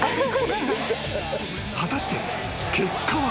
［果たして結果は］